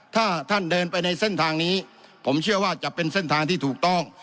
ถ้าท่านเดินไปในเส้นทางนี้ผมเชื่อว่าจะเป็นเส้นทางที่ถูกต้อง